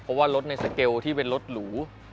เพราะว่ารถในสเกลที่เป็นรถหรู